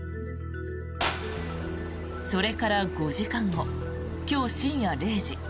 それから５時間後今日深夜０時。